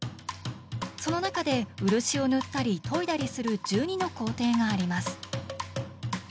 その中で漆を塗ったり研いだりする１２の工程があります。